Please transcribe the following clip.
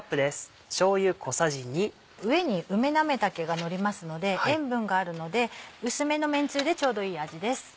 上に梅なめたけがのりますので塩分があるので薄めの麺つゆでちょうどいい味です。